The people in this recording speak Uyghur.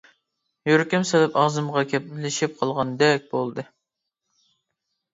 يۈرىكىم سېلىپ ئاغزىمغا كەپلىشىپ قالغاندەك بولدى.